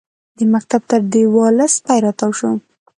د مکتب تر دېواله سپی راتاو شو.